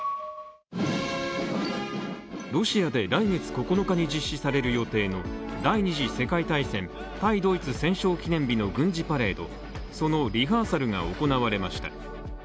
ロシアで来月９日に実施される予定の第二次世界大戦対ドイツ戦勝記念日の軍事パレード、そのリハーサルが行われました。